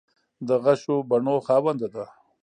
د غشو بڼو خاونده ده